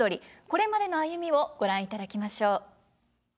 これまでの歩みをご覧いただきましょう。